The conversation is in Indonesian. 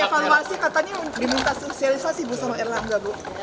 bakal dievaluasi katanya diminta sosialisasi bu sama erlang nggak bu